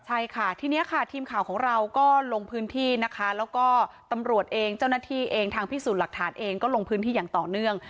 ใช่ค่ะทีนี้ค่ะทีมข่าวของเราก็ลงพื้นที่นะคะแล้วก็ตำรวจเองเจ้าหน้าที่เองทางพิสูจน์หลักฐานเองก็ลงพื้นที่อย่างต่อเนื่อง